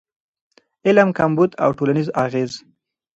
علم کمبود او ټولنیز اغېز